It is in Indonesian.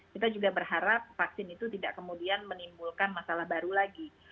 kita juga berharap vaksin itu tidak kemudian menimbulkan masalah baru lagi